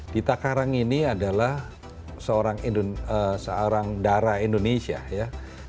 dita karang ini adalah seorang darah indonesia ya